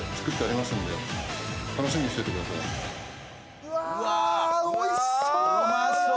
うわおいしそう。